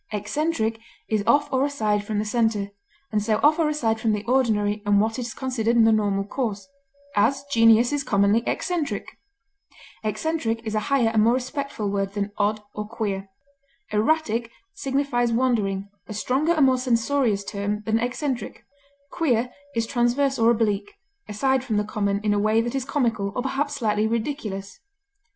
Eccentric is off or aside from the center, and so off or aside from the ordinary and what is considered the normal course; as, genius is commonly eccentric. Eccentric is a higher and more respectful word than odd or queer. Erratic signifies wandering, a stronger and more censorious term than eccentric. Queer is transverse or oblique, aside from the common in a way that is comical or perhaps slightly ridiculous.